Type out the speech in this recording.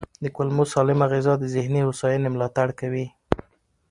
د کولمو سالمه غذا د ذهني هوساینې ملاتړ کوي.